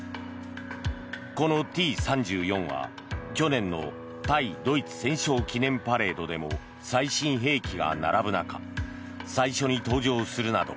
このＴ３４は去年の対ドイツ戦勝記念パレードでも最新兵器が並ぶ中最初に登場するなど